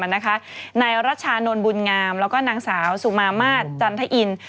นายรัชานนท์บุญงามแล้วก็นางสาวสุมามาตรจันทอิน